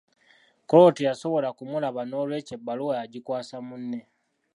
Kwolwo teyasobola kumulaba n’olwekyo ebbaluwa yagikwasa munne.